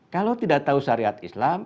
kalau tidak tahu syariat islam